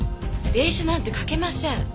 隷書なんて書けません。